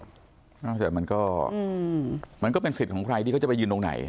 แต่มันก็มันก็เป็นสิทธิ์ของใครที่เขาจะไปยืนตรงไหน